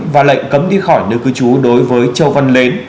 và lệnh cấm đi khỏi nơi cư trú đối với châu văn mến